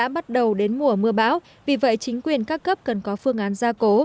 bắt đầu đến mùa mưa bão vì vậy chính quyền các cấp cần có phương án gia cố